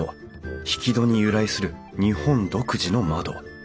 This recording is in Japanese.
引き戸に由来する日本独自の窓。